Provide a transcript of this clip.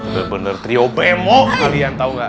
bener bener trio bemo kalian tau gak